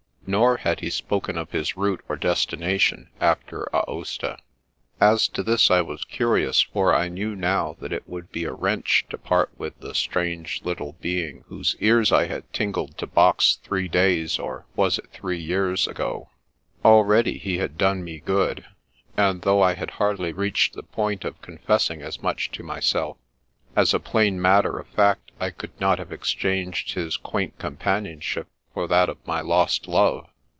Nor had he spoken of his route or destination, after Aosta. As to this I was curious, for I knew now that it would be a wrench to part with the strange little be ing whose ears I had tingled to box three days (or was it three years?) ago. Already he had done me good ; and though I had hardly reached the point of confessing as much to myself, as a plain matter of fact I would not have exchanged his quaint compan ionship for that of my lost love.